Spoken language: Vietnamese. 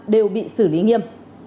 đều bị xử lý nghiêm